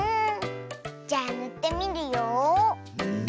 じゃあぬってみるよ。